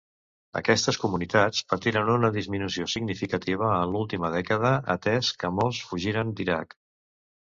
Aquestes comunitats patiren una disminució significativa en l'última dècada, atès que molts fugiren d'Iraq.